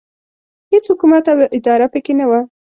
هېڅ حکومت او اداره پکې نه وه.